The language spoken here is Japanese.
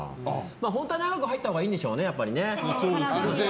本当は長く入ったほうがいいんでしょうね。